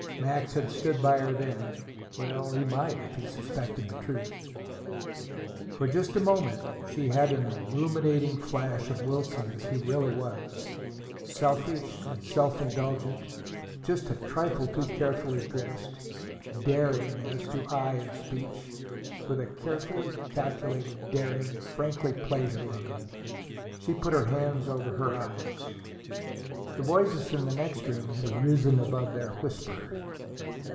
Max had stood by her then. Well he might, if he suspected the truth. For just a moment she had an illuminating flash of Wilson as he really was, selfish and self indulgent, just a trifle too carefully dressed, daring as to eye and speech, with a carefully calculated daring, frankly pleasure loving. She put her hands over her eyes. The voices in the next room had risen above their whisper.